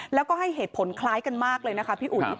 แล้วก็ให้เหตุผลคล้ายกันมากเลยนะคะพี่อุ๋ย